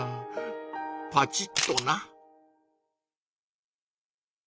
パチッとな。